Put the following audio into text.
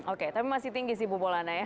oke tapi masih tinggi sih bu bolana ya